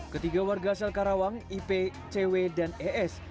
ketiga warga sel karawang ip cw dan es